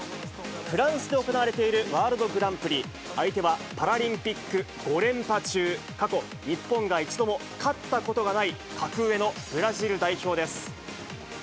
フランスで行われているワールドグランプリ、相手はパラリンピック５連覇中、過去日本が一度も勝ったことがない格上のブラジル代表です。